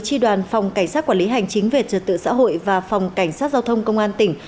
tri đoàn phòng cảnh sát quản lý hành chính về trật tự xã hội và phòng cảnh sát giao thông công an tỉnh